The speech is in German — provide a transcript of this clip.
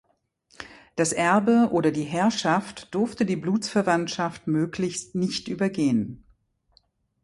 Das Erbe oder die Herrschaft durfte die Blutsverwandtschaft möglichst nicht übergehen.